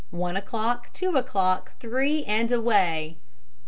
One o'clock, two o'clock, three and away.